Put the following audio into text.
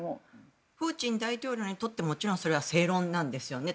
プーチン大統領にとってもちろんそれは正論なんですよね。